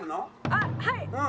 あっはい。